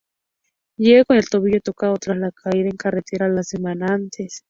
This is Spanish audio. Llega con el tobillo tocado, tras la caída en carrera la semana antes.